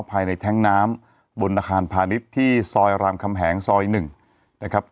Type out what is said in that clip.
ภายในแท้งน้ำบนอาคารพาณิชย์ที่ซอยอารามคำแหงซอยหนึ่งนะครับ